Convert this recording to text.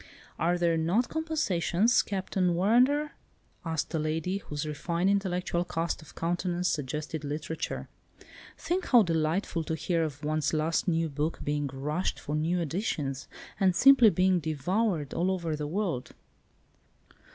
"Are there not compensations, Captain Warrender?" asked a lady, whose refined, intellectual cast of countenance suggested literature. "Think how delightful to hear of one's last new book being rushed for new editions, and simply being devoured all over the world."